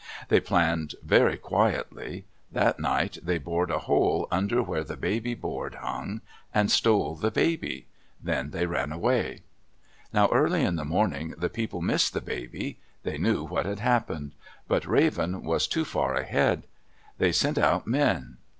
They planned very quietly. That night they bored a hole under where the baby board hung and stole the baby. Then they ran away. Now early in the morning the people missed the baby. They knew what had happened. But Raven was too far ahead. They sent out men.